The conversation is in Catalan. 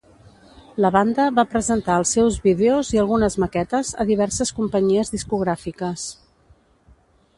La banda va presentar els seus vídeos i algunes maquetes a diverses companyies discogràfiques.